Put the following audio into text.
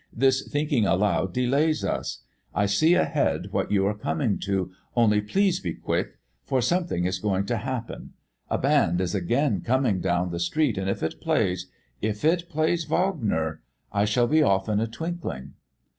"This thinking aloud delays us. I see ahead what you are coming to, only please be quick, for something is going to happen. A band is again coming down the street, and if it plays if it plays Wagner I shall be off in a twinkling."